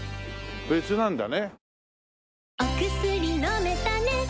別なんだね。